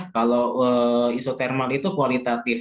kalau isotermal itu kualitatif